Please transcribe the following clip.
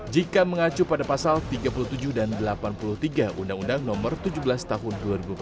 jika mengacu pada pasal tiga puluh tujuh dan delapan puluh tiga undang undang nomor tujuh belas tahun dua ribu empat belas